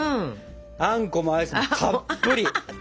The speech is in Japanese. あんこもアイスもたっぷり！